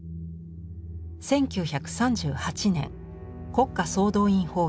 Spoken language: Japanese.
１９３８年国家総動員法が施行。